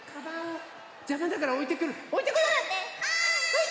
はい！